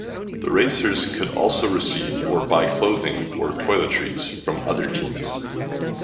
The racers could also receive or buy clothing or toiletries from other teams.